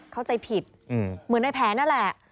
เข้าใจผิดเหมือนในแผนนั่นแหละ